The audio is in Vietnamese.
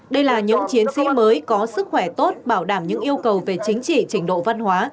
đây là những chiến sĩ mới có sức khỏe tốt bảo đảm những yêu cầu về chính trị trình độ văn hóa